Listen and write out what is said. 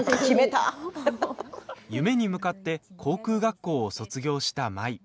夢に向かって航空学校を卒業した舞。